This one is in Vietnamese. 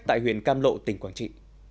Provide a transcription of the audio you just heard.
tại huyện cam lộ tỉnh quảng trị